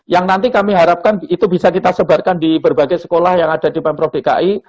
yang nanti kami harapkan itu bisa kita sebarkan di berbagai sekolah yang ada di pemprov dki